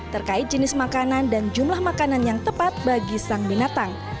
terkait jenis makanan dan jumlah makanan yang tepat bagi sang binatang